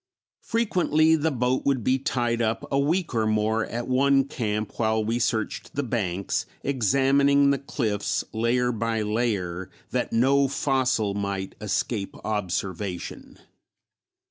Frequently the boat would be tied up a week or more at one camp while we searched the banks, examining the cliffs layer by layer that no fossil might escape observation.